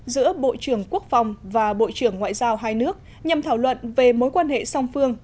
giữa bộ trưởng quốc phòng và bộ trưởng ngoại giao hai nước nhằm thảo luận về mối quan hệ song phương